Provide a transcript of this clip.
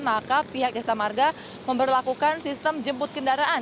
maka pihak jasa marga memperlakukan sistem jemput kendaraan